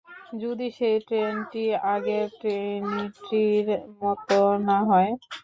যদি সেই ট্রিনিটি আগের ট্রিনিটির মতো নাহয়?